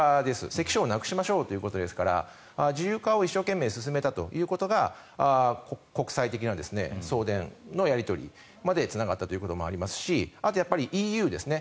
関所をなくしましょうということですから自由化を一生懸命進めたことが国際的な送電のやり取りまでつながったということもありますしあとはＥＵですね。